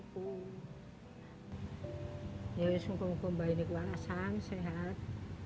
sarokanlistat partitiepi mata baik dan ilham selain berusaha mengolot